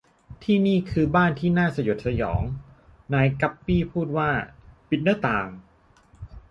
ที่นี่คือบ้านที่น่าสยดสยอง นายกั๊ปปี้พูดว่า ปิดหน้าต่าง